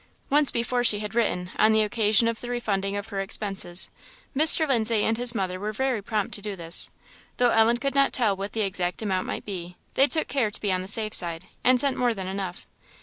Once before she had written, on the occasion of the refunding her expenses. Mr. Lindsay and his mother were very prompt to do this, though Ellen could not tell what the exact amount might be; they took care to be on the safe side, and sent more than enough.